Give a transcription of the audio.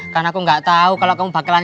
karena aku gak tau kalo kamu bakalan